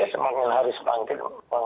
semakin hari semakin